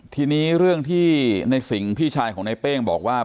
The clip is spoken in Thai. ทีนี้เรื่องที่ในสิงห์พี่ชายของในเป้งบอกว่า